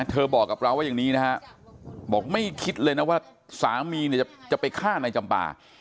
บอกกับเราว่าอย่างนี้นะฮะบอกไม่คิดเลยนะว่าสามีเนี่ยจะไปฆ่านายจำปา